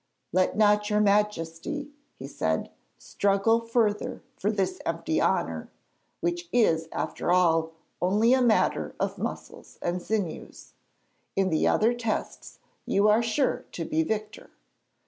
'Let not your Majesty,' he said, 'struggle further for this empty honour, which is after all only a matter of muscles and sinews. In the other tests you are sure to be victor.